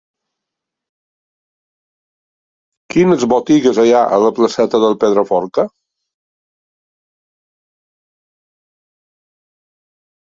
Quines botigues hi ha a la placeta del Pedraforca?